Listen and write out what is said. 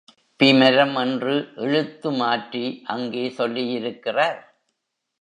பிமரம் என்று எழுத்து மாற்றி அங்கே சொல்லியிருக்கிறார்.